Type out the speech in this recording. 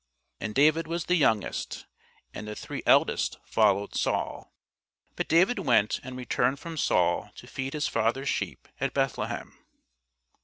And David was the youngest: and the three eldest followed Saul. But David went and returned from Saul to feed his father's sheep at Bethlehem.